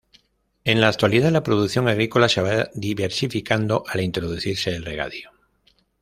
En la actualidad la producción agrícola se va diversificando al introducirse el regadío.